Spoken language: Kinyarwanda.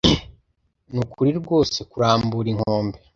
Nukuri rwose kurambura inkombe.